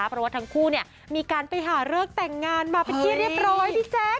เพราะว่าทั้งคู่มีการไปหาเลิกแต่งงานมาเป็นที่เรียบร้อยพี่แจ๊ค